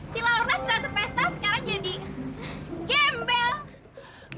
si laura serata peta sekarang jadi gembel